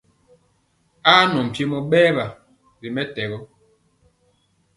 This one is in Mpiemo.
Ajɔŋ mpiemɔ bɛwa ri mɛtɛgɔ.